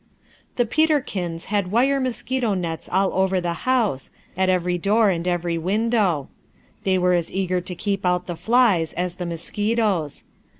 The Peterkins had wire mosquito nets all over the house, at every door and every window. They were as eager to keep out the flies as the mosquitoes.